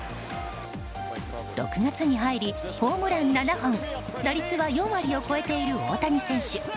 ６月に入りホームラン７本打率は４割を超えている大谷選手。